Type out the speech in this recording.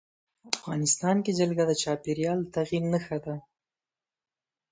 افغانستان کې جلګه د چاپېریال د تغیر نښه ده.